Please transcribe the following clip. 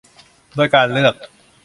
โดยการเลือก